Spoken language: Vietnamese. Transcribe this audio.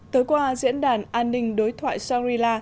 tới qua diễn đàn an ninh đối thoại shangri la